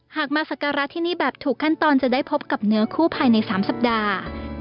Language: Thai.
หากมาสักการะที่นี่แบบถูกขั้นตอนจะได้พบกับเนื้อคู่ภายใน๓สัปดาห์